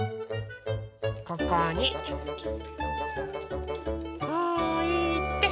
ここにおいて。